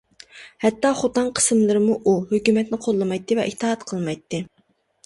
ھەتتا خوتەن قىسىملىرىمۇ ئۇ، ھۆكۈمەتنى قوللىمايتتى ۋە ئىتائەت قىلمايتتى.